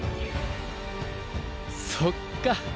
そっか。